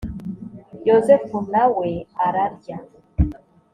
yozefu na we ararya